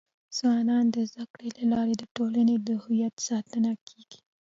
ځوانان د زده کړي له لارې د ټولنې د هویت ساتنه کيږي.